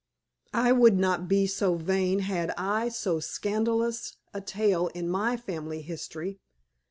I would not be so vain had I so scandalous a tale in my family history."